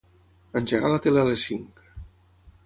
Engega la tele a les cinc.